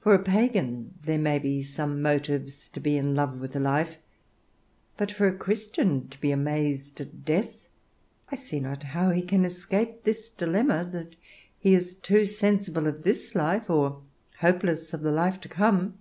For a pagan there may be some motives to be in love with life; but for a Christian to be amazed at death, I see not how he can escape this dilemma that he is too sensible of this life, or hopeless of the life to come.